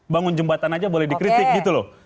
bangun jembatan aja boleh dikritik gitu loh